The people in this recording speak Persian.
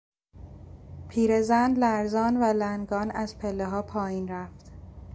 پیرزن لرزان و لنگان از پلهها پایین رفت.